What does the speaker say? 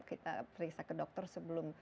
kita periksa ke dokter sebelum